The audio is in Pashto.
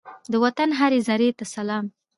د وطن هرې زرې ته سلام!